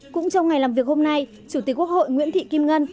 cũng trong ngày làm việc hôm nay chủ tịch quốc hội nguyễn thị kim ngân